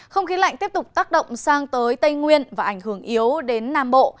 không khí lạnh tiếp tục tác động sang tới tây nguyên và ảnh hưởng yếu đến nam bộ